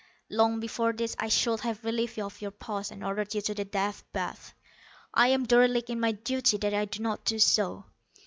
Long before this I should have relieved you of your post, and ordered you to the Death Bath. I am derelict in my duty that I do not do so.